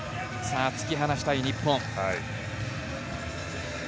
突き放したい日本。